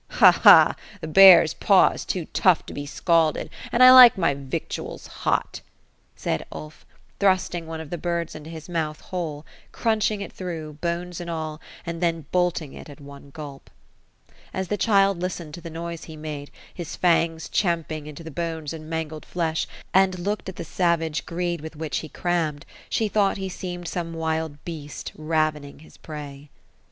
^ Ha, ha I the bear's paw is too tough to be scalded ; and I like my victuals hot ;" said Ulf, thrusting one of the birds into his mouth, whole, crunching it through, bones and all, and then bolting it, at one gulp. As the child listened' to the noise he made, his fangs champing into the bones and mangled flesh, and looked at the savage greed with which he crammed, she thought he seemed some wild beast, ravening his prey.